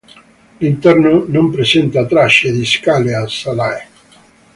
L'interno non presenta tracce di scale o solai.